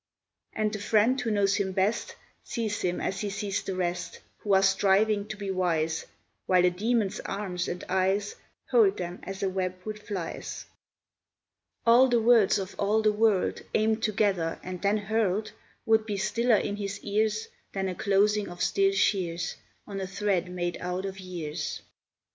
And the friend who knows him best Sees him as he sees the rest Who are striving to be wise While a Demon's arms and eyes Hold them as a web would flies. All the words of all the world, Aimed together and then hurled, Would be stiller in his ears Than a closing of still shears On a thread made out of years.